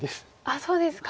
あっそうですか。